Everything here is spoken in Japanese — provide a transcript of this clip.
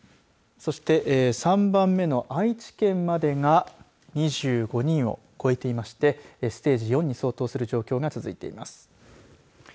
そして、３番目の愛知県までが２５人を超えていましてステージ４に相当する状況が続いています。